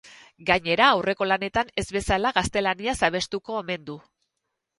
Gainera, aurreko lanetan ez bezala, gaztelaniaz abestuko omen du.